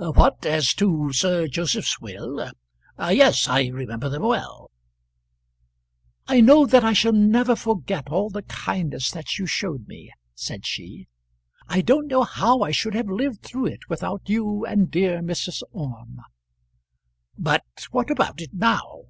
"What; as to Sir Joseph's will? Yes; I remember them well." "I know that I shall never forget all the kindness that you showed me," said she. "I don't know how I should have lived through it without you and dear Mrs. Orme." "But what about it now?"